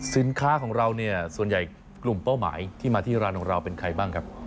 สินค้าของเราเนี่ยส่วนใหญ่กลุ่มเป้าหมายที่มาที่ร้านของเราเป็นใครบ้างครับ